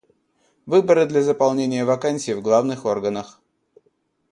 Выборы для заполнения вакансий в главных органах.